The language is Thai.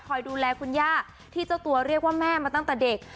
ดูแลคุณย่าที่เจ้าตัวเรียกว่าแม่มาตั้งแต่เด็ก